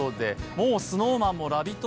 もうＳｎｏｗＭａｎもラヴィット！